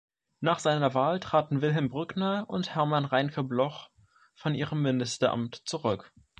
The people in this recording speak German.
Nach seiner Wahl traten Wilhelm Brückner und Hermann Reincke-Bloch von ihrem Ministeramt zurück.